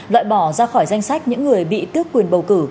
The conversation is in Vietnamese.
loại bỏ ra khỏi danh sách những người bị tước quyền bầu cử